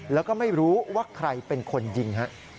แล้วก็ไม่รู้ว่าใครเป็นคนยิง